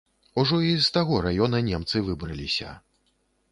Ужо і з таго раёна немцы выбраліся.